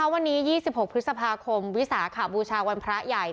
วันนี้๒๖พฤษภาคมวิสาขบูชาวันพระใหญ่